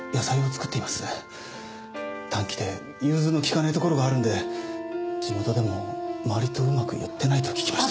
短気で融通の利かないところがあるんで地元でも周りとうまくやってないと聞きました。